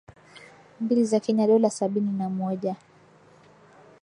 mbili za Kenya dola sabini na moja